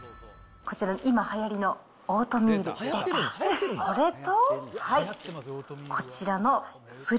こちら、今はやりのオートミールと。